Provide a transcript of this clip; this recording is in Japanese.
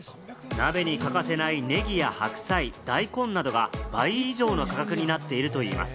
鍋に欠かせないネギや白菜、大根などが倍以上の価格になっているといいます。